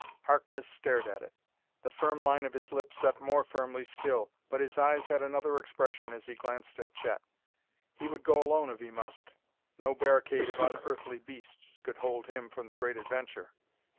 Harkness stared at it. The firm line of his lips set more firmly still, but his eyes had another expression as he glanced at Chet. He would go alone if he must; no barricade of unearthly beasts could hold him from the great adventure.